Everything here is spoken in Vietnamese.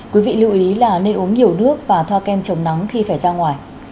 quý vị lưu ý là nên uống nhiều nước và thoa kem chống nắng khi phải ra ngoài